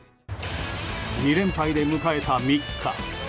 ２連敗で迎えた３日。